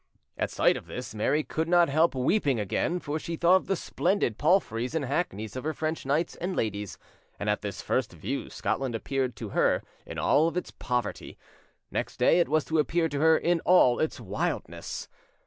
At sight of this, Mary could not help weeping again; for she thought of the splendid palfreys and hackneys of her French knights and ladies, and at this first view Scotland appeared to her in all its poverty. Next day it was to appear to her in all its wildness.